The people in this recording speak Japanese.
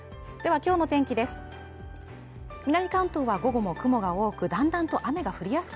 は今日の天気です